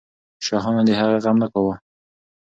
شاهانو د هغې غم نه کاوه.